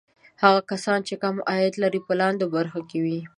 هغه کسان چې کم عاید لري په لاندې برخه کې وي.